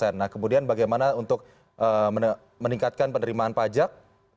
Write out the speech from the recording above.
nah kemudian bagaimana untuk meningkatkan penerimaan pajak